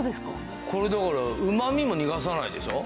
これだからうま味も逃がさないでしょ？